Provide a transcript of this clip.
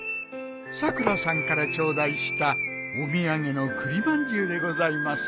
さくらさんから頂戴したお土産の栗まんじゅうでございます。